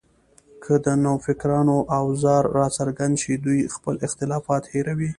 که د نوفکرانو اواز راڅرګند شي، دوی خپل اختلافات هېروي